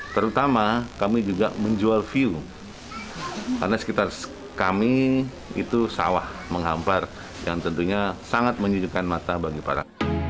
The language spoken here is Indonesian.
terutama kami juga menjual view karena sekitar kami itu sawah menghampar yang tentunya sangat menunjukkan mata bagi para